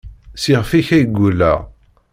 S yixef-ik ay gulleɣ.